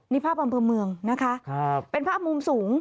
นี่ภาพอำเภอเมืองนะคะหรือว่าลดสูงนะคะเป็นภาพมุมสูง